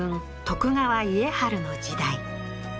徳川家治の時代